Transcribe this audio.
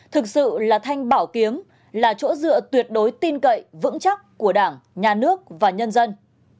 thực sự là thanh bảo kiếm là chỗ dựa tuyệt đối tin cậy vững chắc của đảng nhà nước và nhân dân